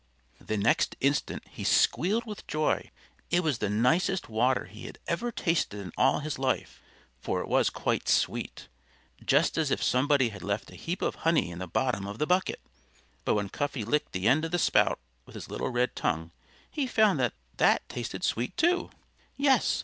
The next instant he squealed with joy. It was the nicest water he had ever tasted in all his life, for it was quite sweet just as if somebody had left a heap of honey in the bottom of the bucket. But when Cuffy licked the end of the spout with his little red tongue he found that that tasted sweet too. Yes!